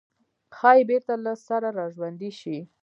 ښايي بېرته له سره راژوندي شي.